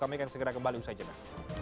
kami akan segera kembali usai jeda